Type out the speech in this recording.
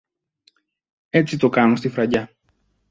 Έτσι το κάνουν στη Φραγκιά.